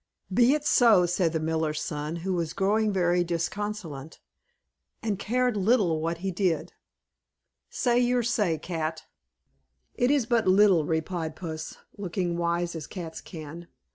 "Be it so," said the miller's son, who was growing very disconsolate, and cared little what he did: "Say your say, cat." "It is but little," replied Puss, looking wise, as cats can.